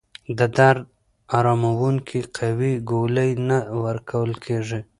د درد اراموونکې قوي ګولۍ نه ورکول کېږي.